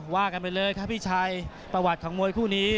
ว่ากันไปเลยครับพี่ชัยประวัติของมวยคู่นี้